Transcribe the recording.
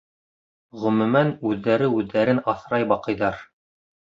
Ғөмүмән, үҙҙәре үҙҙәрен аҫрай баҡыйҙар.